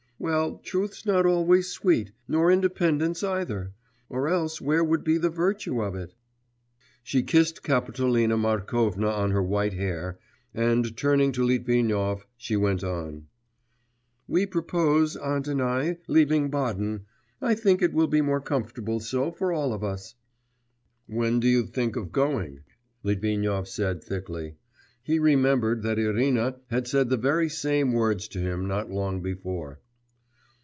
Well, truth's not always sweet, nor independence either; or else where would be the virtue of it?' She kissed Kapitolina Markovna on her white hair, and turning to Litvinov, she went on: 'We propose, aunt and I, leaving Baden.... I think it will be more comfortable so for all of us.' 'When do you think of going?' Litvinov said thickly. He remembered that Irina had said the very same words to him not long before.